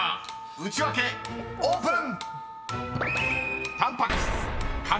内訳オープン！］